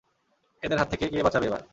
এদের হাত থেকে কে বাঁচাবে এবার?